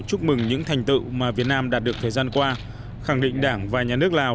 chúc mừng những thành tựu mà việt nam đạt được thời gian qua khẳng định đảng và nhà nước lào